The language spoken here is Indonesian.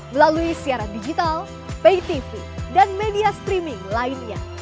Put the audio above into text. melalui siaran digital pay tv dan media streaming lainnya